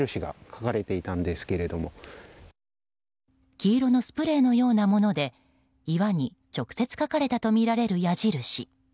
黄色のスプレーのようなもので岩に直接描かれたとみられる矢印。